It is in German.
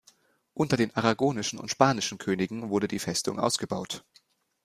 Unter den aragonischen und spanischen Königen wurde die Festung ausgebaut.